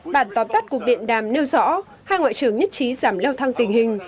bản tóm tắt cuộc điện đàm nêu rõ hai ngoại trưởng nhất trí giảm leo thang tình hình